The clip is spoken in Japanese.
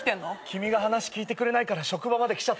君が話聞いてくれないから職場まで来ちゃったよ。